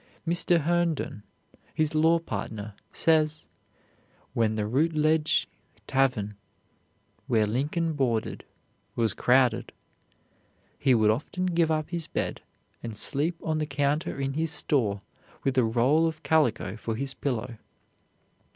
Mr. Herndon, his law partner, says: "When the Rutledge Tavern, where Lincoln boarded, was crowded, he would often give up his bed, and sleep on the counter in his store with a roll of calico for his pillow.